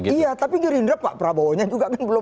iya tapi gerindra pak prabowo nya juga kan belum